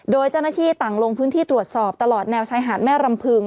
โดยเจ้าหน้าที่ต่างลงพื้นที่ตรวจสอบตลอดแนวชายหาดแม่รำพึง